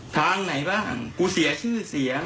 ทางไหนบ้างกูเสียชื่อเสียง